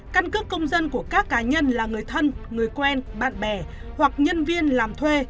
căn cước công dân của các cá nhân là người thân người quen bạn bè hoặc nhân viên làm thuê